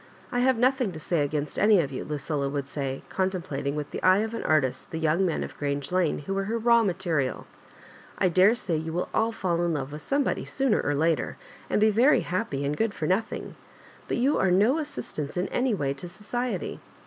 "I have nothing to say against any of you,'* Lucilla would say, contem plating with the eye of an artist the young men of Grange Lane who were her raw material " I daresay you will all fall in love with somebody sooner or later, and be very happy and good for nothing; but you are no assistance in any way to society.